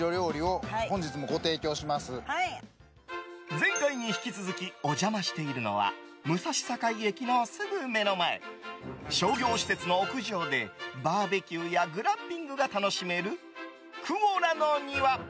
前回に引き続きお邪魔しているのは武蔵境駅のすぐ目の前商業施設の屋上でバーベキューやグランピングが楽しめる、ＱｕＯＬａの庭。